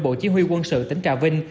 bộ chỉ huy quân sự tỉnh trà vinh